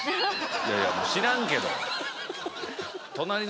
いやいや知らんけど。